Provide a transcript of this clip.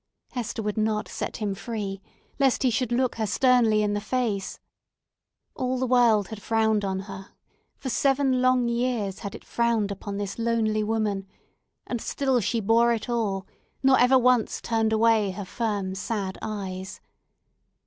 Hester would not set him free, lest he should look her sternly in the face. All the world had frowned on her—for seven long years had it frowned upon this lonely woman—and still she bore it all, nor ever once turned away her firm, sad eyes.